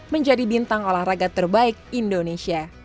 menjadi bintang olahraga terbaik indonesia